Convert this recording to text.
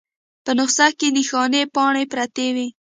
په نسخه کې نښانۍ پاڼې پرتې وې.